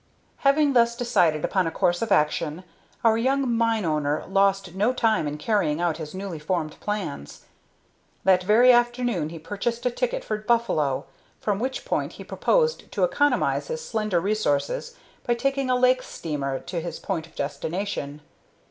Having thus decided upon a course of action, our young mine owner lost no time in carrying out his newly formed plans. That very afternoon he purchased a ticket for Buffalo, from which point he proposed to economize his slender resources by taking a lake steamer to his point of destination.